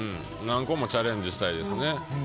何個もチャレンジしたいですね。